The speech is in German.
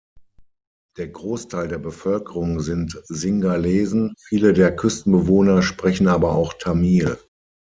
Der Großteil der Bevölkerung sind Singhalesen, viele der Küstenbewohner sprechen aber auch Tamil.